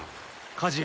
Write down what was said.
火事や。